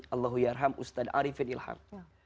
allahu yarham ustad arifin ilham